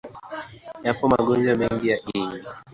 Yapo magonjwa mengi ya ini.